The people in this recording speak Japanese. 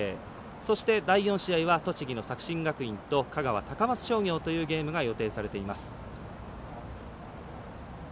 そして、第４試合は栃木の作新学院と香川、高松商業というゲームが予定されています。